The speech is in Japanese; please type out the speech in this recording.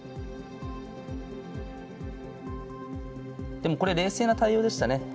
でもこれ冷静な対応でしたね。